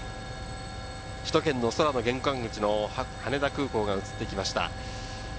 首都圏の空の玄関口の羽田空港が映ってきました。